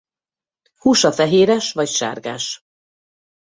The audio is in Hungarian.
Húsa fehéres vagy sárgás.